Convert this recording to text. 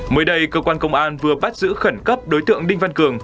mới đây cơ quan công an vừa bắt giữ khẩn cấp đối tượng đinh văn cường